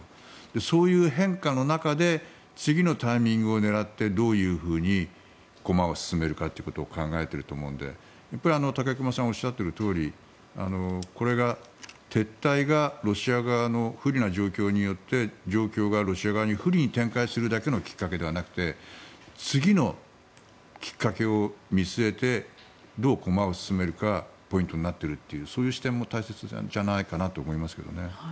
そういう変化の中で次のタイミングを狙ってどういうふうに駒を進めるかということを考えていると思うので武隈さんがおっしゃっているとおり撤退がロシア側の不利な状況によって状況がロシア側に不利に展開するだけのきっかけだけではなくて次のきっかけを見据えてどう駒を進めるかがポイントになっているというそういう視点も大切じゃないかなと思いますけどね。